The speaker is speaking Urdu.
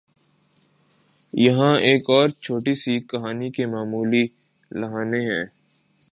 یہاں ایک اور چھوٹی سی کہانی کی معمولی لائنیں ہیں